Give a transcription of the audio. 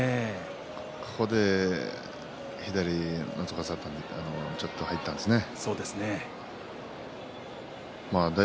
ここで左がちょっと入ったんですね。